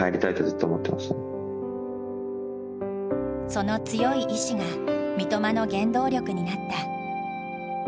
その強い意思が三笘の原動力になった。